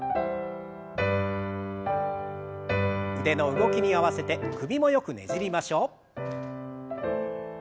腕の動きに合わせて首もよくねじりましょう。